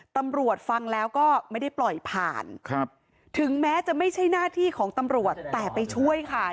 ตำรวจฟังแล้วก็ไม่ได้ปล่อยผ่านครับถึงแม้จะไม่ใช่หน้าที่ของตำรวจแต่ไปช่วยค่ะ